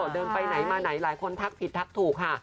เดินไปไหนมาไหนหลายคนทักผิดทักถูกค่ะ